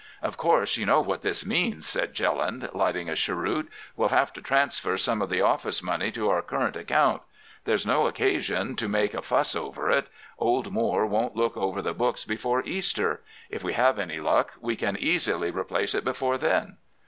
"'Of course you know what this means,' said Jelland, lighting a cheroot; 'we'll have to transfer some of the office money to our current account. There's no occasion to make a fuss over it. Old Moore won't look over the books before Easter. If we have any luck, we can easily replace it before then.